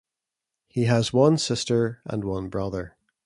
He has one sister and one brother.